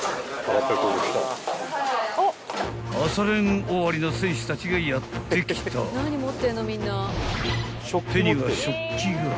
［朝練終わりの選手たちがやって来た］［手には食器が］